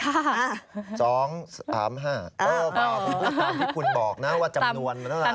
๒๓๕เออตามที่คุณบอกนะว่าจำนวนมันอะไร